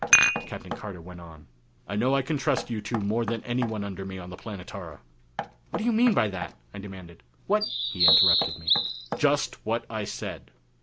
Captain Carter went on: "I know I can trust you two more than anyone under me on the Planetara." "What do you mean by that?" I demanded. "What " He interrupted me. "Just what I said."